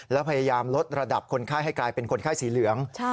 แล้วพยายามลดระดับคนไข้ให้กลายเป็นคนไข้สีเหลือง